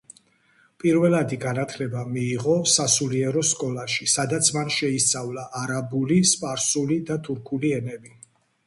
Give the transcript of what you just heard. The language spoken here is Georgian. პირველადი განათლება მიიღო სასულიერო სკოლაში, სადაც მან შეისწავლა არაბული, სპარსული და თურქული ენები.